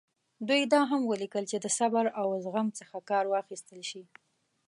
دوی دا هم ولیکل چې د صبر او زغم څخه کار واخیستل شي.